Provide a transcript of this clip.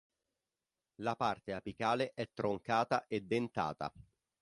La parte apicale è troncata e dentata.